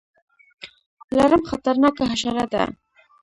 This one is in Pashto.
لړم خطرناکه حشره ده